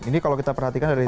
ini kalau kita perhatikan dari